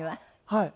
はい。